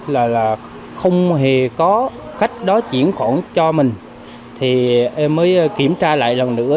là không hề có khách đó chuyển khoản cho mình thì em mới kiểm tra lại lần nữa